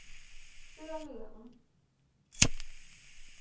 - เสื้อเหลือง